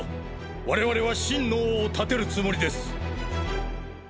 我々は真の王を立てるつもりです。